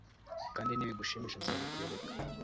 kandi nibigushimisha, nzabikwereka